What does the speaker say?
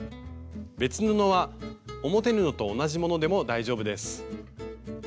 別布は表布と同じものでも大丈夫です。